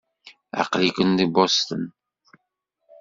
Aql-iken deg Boston.